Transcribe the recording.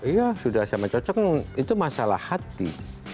iya sudah sama cocok itu masalah hati